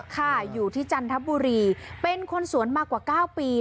ค่ะอยู่ที่จันทบุรีเป็นคนสวนมากว่า๙ปี